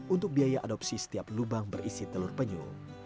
untuk biaya adopsi setiap lubang berisi telur penyu